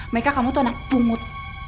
mereka kamu itu anak pungut